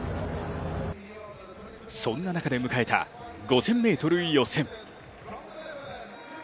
そんな中で迎えた５０００ｍ予選。